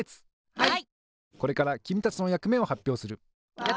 はい！